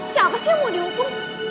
siapa sih yang mau dihukum